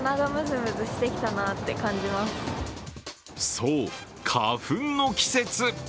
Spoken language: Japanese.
そう、花粉の季節。